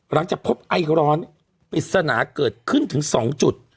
หลังจากพบไอร้อนปริศนาเกิดขึ้นถึง๒จุด